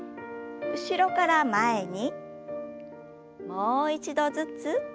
もう一度ずつ。